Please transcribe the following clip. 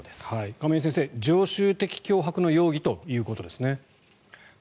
亀井先生、常習的脅迫の容疑ということですね。